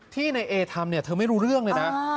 ในเอทำเนี่ยเธอไม่รู้เรื่องเลยนะ